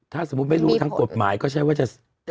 ถ้าสมมุติไม่รู้ทั้งกฎหมายก็ใช้ว่าจะ